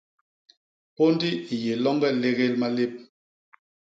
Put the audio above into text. Pôndi i yé loñge légél malép.